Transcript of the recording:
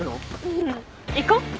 うん行こう。